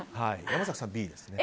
山崎さん、Ｂですね。